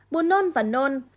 bùn nôn và nôn